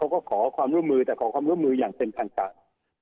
เขาก็ขอเรื่องมือแต่คำงวดมืออย่างเซ็นทางการ